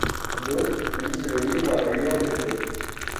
D’autres lisent le livre à la lueur du feu.